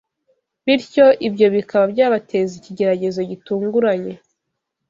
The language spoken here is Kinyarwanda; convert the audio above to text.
bityo ibyo bikaba byabateza ikigeragezo gitunguranye.